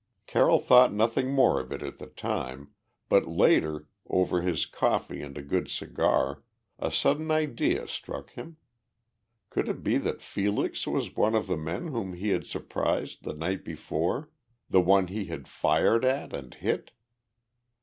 Carroll thought nothing more of it at the time, but later, over his coffee and a good cigar, a sudden idea struck him. Could it be that Felix was one of the men whom he had surprised the night before, the one he had fired at and hit?